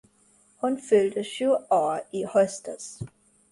Hon fyllde sju år i höstas.